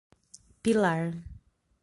Pilar